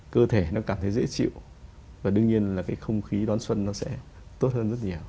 cơ thể nó cảm thấy dễ chịu và đương nhiên là cái không khí đón xuân nó sẽ tốt hơn rất nhiều